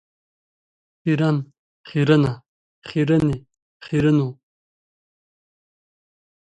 خیرن، خیرنه ،خیرنې ، خیرنو .